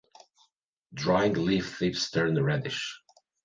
Drying leaf tips turn reddish.